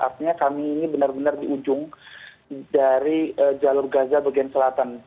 artinya kami ini benar benar di ujung dari jalur gaza bagian selatan